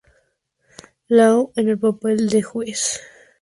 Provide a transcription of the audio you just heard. Law" en el papel de un juez.